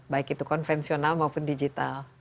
baik itu konvensional maupun digital